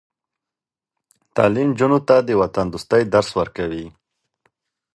تعلیم نجونو ته د وطندوستۍ درس ورکوي.